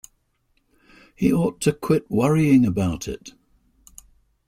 He ought to quit worrying about it.